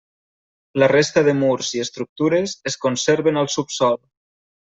La resta de murs i estructures es conserven al subsòl.